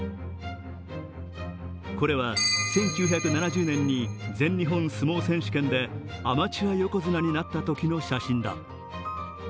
これは、１９７０年に全日本相撲選手権でアマチュア横綱になったときの写真だ。